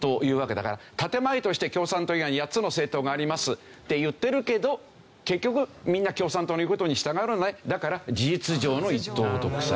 だから建前として共産党以外に８つの政党がありますって言ってるけど結局みんな共産党の言う事に従うのでだから事実上の一党独裁。